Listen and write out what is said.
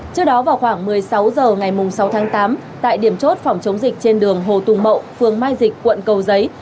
trước đó vào khoảng một mươi sáu h ngày sáu tháng tám tại điểm chốt phòng chống dịch trên đường hồ tùng mậu phường mai dịch quận cầu giấy